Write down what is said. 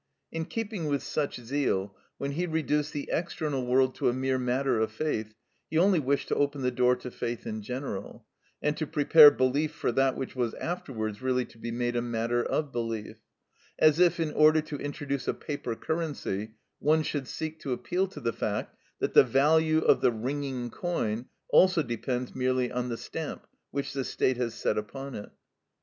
In keeping with such zeal, when he reduced the external world to a mere matter of faith he only wished to open the door to faith in general, and to prepare belief for that which was afterwards really to be made a matter of belief; as if, in order to introduce a paper currency, one should seek to appeal to the fact that the value of the ringing coin also depends merely on the stamp which the State has set upon it.